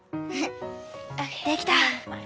できた。